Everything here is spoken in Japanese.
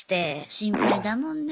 心配だもんね。